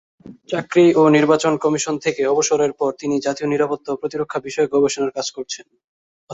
চাকরি ও নির্বাচন কমিশন থেকে অবসরের পর তিনি জাতীয় নিরাপত্তা ও প্রতিরক্ষা বিষয়ে গবেষণার কাজ করছেন।